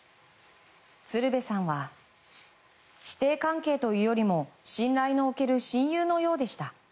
鶴瓶さんは師弟関係というよりも信頼のおける親友のようでした。